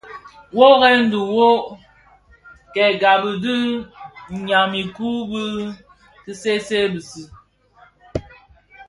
Wuoren dhi wuō kè gab dhi “nyam imum” bi ki see see bisi,